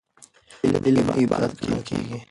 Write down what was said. علم عبادت ګڼل کېږي.